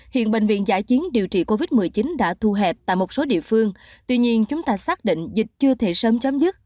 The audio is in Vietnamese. hiện bệnh viện giải chiến điều trị covid một mươi chín đã thu hẹp tại một số địa phương tuy nhiên chúng ta xác định dịch chưa thể sớm chấm dứt